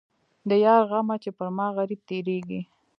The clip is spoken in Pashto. د یار غمه چې پر ما غريب تېرېږي.